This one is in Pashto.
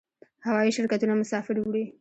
هوایی شرکتونه مسافر وړي